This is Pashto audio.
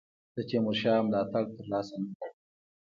د تیمورشاه ملاتړ تر لاسه نه کړ.